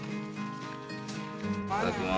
いただきます。